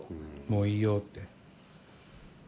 もういいよって。